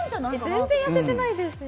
全然痩せてないですよ。